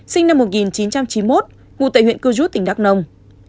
sinh năm một nghìn chín trăm chín mươi một ngụ tại huyện cư rút tỉnh đắk nông